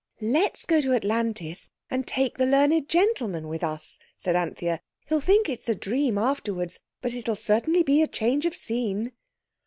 "Let's go to Atlantis and take the learned gentleman with us," said Anthea; "he'll think it's a dream, afterwards, but it'll certainly be a change of scene."